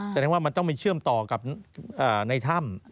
แสดงว่ามันต้องไปเชื่อมต่อกับในถ้ำ